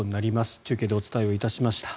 中継でお伝えしました。